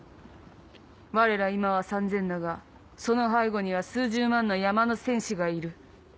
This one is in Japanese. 我ら今は３０００だがその背後には数十万の山の戦士がいる。